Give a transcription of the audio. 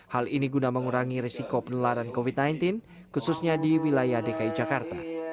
hal ini guna mengurangi risiko penularan covid sembilan belas khususnya di wilayah dki jakarta